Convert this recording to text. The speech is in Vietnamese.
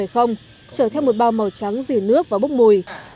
chở theo một bao màu trắng dì nước và bốc mùi